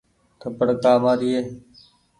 ٿپڙ ڪآ مآ ري ۔